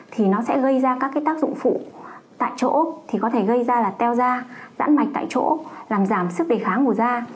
thì nó sẽ gây ra các tác dụng phụ tại chỗ thì có thể gây ra là teo da giãn mạch tại chỗ làm giảm sức đề kháng của da